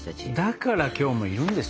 だからきょうもいるんです！